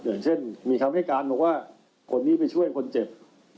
อย่างเช่นมีคำให้การบอกว่าคนนี้ไปช่วยคนเจ็บ